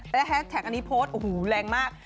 และแฮสแท็กอันนี้โพสต์โอ้โหแรงมาก